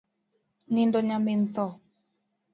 Nindo nyamin tho